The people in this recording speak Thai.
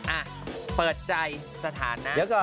อ่ะเปิดใจสถานก่อน